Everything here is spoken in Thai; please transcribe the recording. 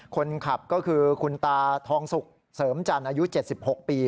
คนขับก็คือคุณตาทองสุกเสริมจันทร์อายุ๗๖ปี